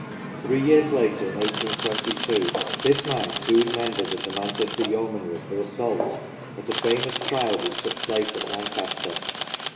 Three years later, in 1 822, this man sued members of the Manchester Yeomanry for assault at a famous trial which took place at Lancaster.